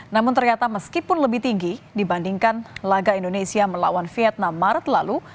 namun ternyata meskipun lebih tinggi dibandingkan laga indonesia melawan vietnam maret lalu